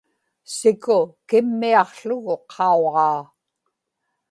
siku kimmiaqługu qauġaa